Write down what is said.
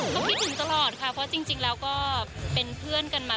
ก็คิดถึงตลอดค่ะเพราะจริงแล้วก็เป็นเพื่อนกันมา